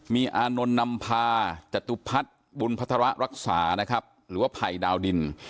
มีอานนท์นำพาจตุพัฒน์บุญพัฒระรักษานะครับหรือว่าภัยดาวดิน